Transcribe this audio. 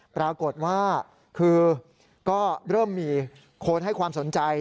ปรากฏว่าคือก็เริ่มมีคนให้ความสนใจ